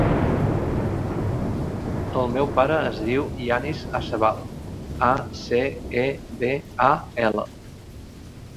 El meu pare es diu Yanis Acebal: a, ce, e, be, a, ela.